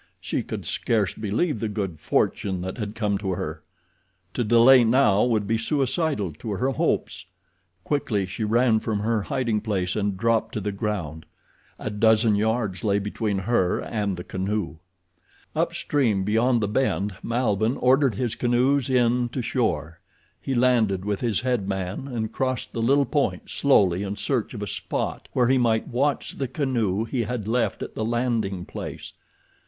She could scarce believe the good fortune that had come to her. To delay now would be suicidal to her hopes. Quickly she ran from her hiding place and dropped to the ground. A dozen yards lay between her and the canoe. Up stream, beyond the bend, Malbihn ordered his canoes in to shore. He landed with his head man and crossed the little point slowly in search of a spot where he might watch the canoe he had left at the landing place.